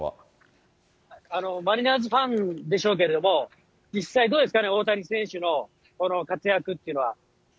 マリナーズファンでしょうけれども、実際、どうですかね、大谷選手の活躍というのは。